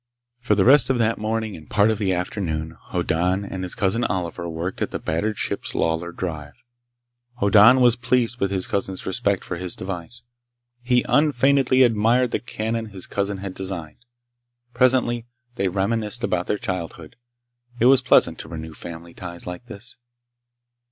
For the rest of that morning and part of the afternoon Hoddan and his Cousin Oliver worked at the battered ship's Lawlor drive. Hoddan was pleased with his cousin's respect for his device. He unfeignedly admired the cannon his cousin had designed. Presently they reminisced about their childhood. It was pleasant to renew family ties like this.